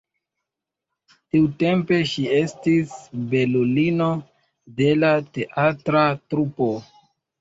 Tiutempe ŝi estis belulino de la teatra trupo.